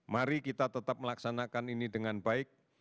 mari kita tetap melaksanakan ini dengan baik